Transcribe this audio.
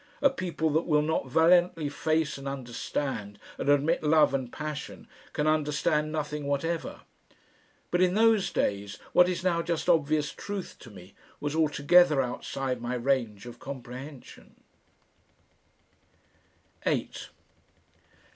A people that will not valiantly face and understand and admit love and passion can understand nothing whatever. But in those days what is now just obvious truth to me was altogether outside my range of comprehension....